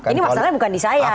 ini masalahnya bukan di saya